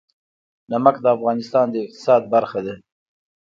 نمک د افغانستان د اقتصاد برخه ده.